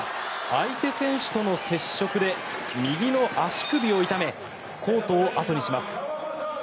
相手選手との接触で右の足首を痛めコートを後にします。